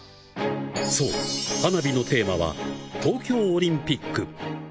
そう、花火のテーマは東京オリンピック。